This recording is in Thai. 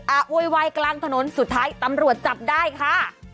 โวยวายกลางถนนสุดท้ายตำรวจจับได้ค่ะ